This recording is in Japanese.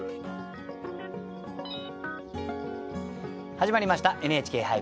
始まりました「ＮＨＫ俳句」。